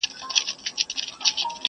هم له غله هم داړه مار سره یې کار وو؛